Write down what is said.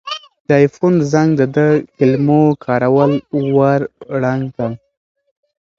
د آیفون زنګ د ده د کلمو کاروان ور ړنګ کړ.